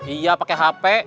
iya pakai hp